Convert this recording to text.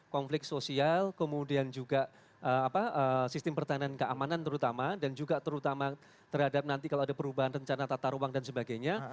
konflik sosial kemudian juga sistem pertahanan keamanan terutama dan juga terutama terhadap nanti kalau ada perubahan rencana tata ruang dan sebagainya